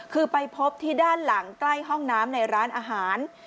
คือไปพบที่ด้านหลังใกล้ห้องน้ำในร้านอาหาร